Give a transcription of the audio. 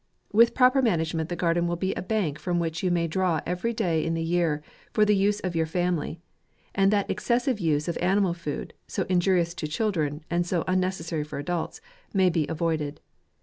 With proper management the garden will be a bank from which you may draw every day in the year, for the use of your family ; and that excessive use of animal food, so in jurious to children, and so unnecessary for adults, may be avoided.